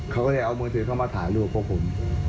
เขาจะเอามือถือเข้ามาถ่ายรูปของผม